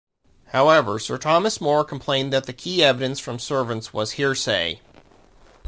However Sir Thomas More complained that the key evidence from servants was hearsay.